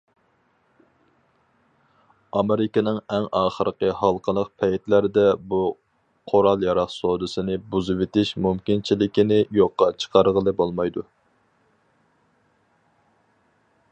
ئامېرىكىنىڭ ئەڭ ئاخىرقى ھالقىلىق پەيتلەردە بۇ قورال ياراق سودىسىنى بۇزۇۋېتىش مۇمكىنچىلىكىنى يوققا چىقارغىلى بولمايدۇ.